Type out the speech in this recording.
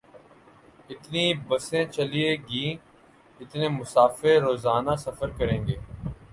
اتنی بسیں چلیں گی، اتنے مسافر روزانہ سفر کریں گے۔